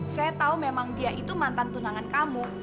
saya tahu memang dia itu mantan tunangan kamu